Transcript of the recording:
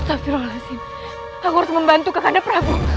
aku harus membantu kepada prabu